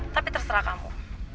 tapi terserah kamu